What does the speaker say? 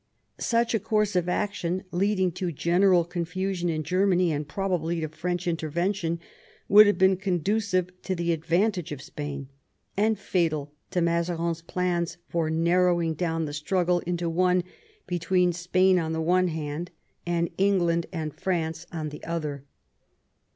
Such a course of action, leading to general confusion in Germany, and probably to French intervention, would have been conducive to the ad vantage of Spain, and fatal to Mazarin's plans for narrowing down the struggle into one between Spain on the one hand and England and France on. the other.